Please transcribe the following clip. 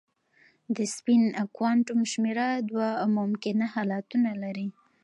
د سپین کوانټم شمېره دوه ممکنه حالتونه لري.